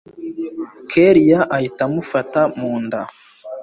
kellia ahita amufata munda